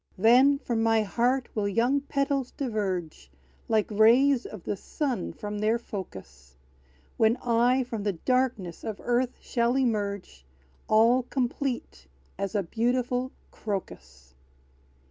Then from my heart will young petals diverge, Like rays of the sun from their focus; When I from the darkness of earth shall emerge, All complete, as a beautiful CROCUS!